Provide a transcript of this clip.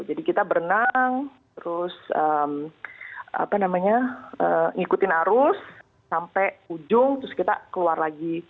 jadi kita berenang terus ngikutin arus sampai ujung terus kita keluar lagi